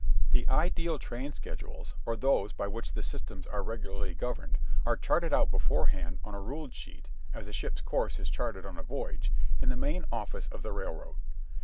The ideal train schedules, or those by which the systems are regularly governed, are charted out beforehand on a ruled sheet, as a ship's course is charted on a voyage, in the main office of the railroad.